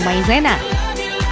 kemudian masukkan tepung maizena